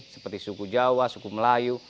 seperti suku jawa suku melayu